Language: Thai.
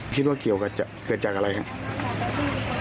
คิดว่าเกี่ยวกับเกิดจากอะไรครับ